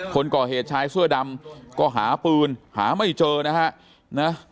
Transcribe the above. คนก่อเหตุชายเสื้อดำก็หาปืนหาไม่เจอนะฮะ